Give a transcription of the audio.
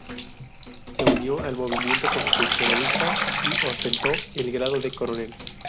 Se unió al movimiento constitucionalista y ostentó el grado de Coronel.